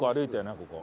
ここ。